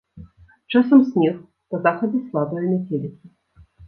Часам снег, па захадзе слабая мяцеліца.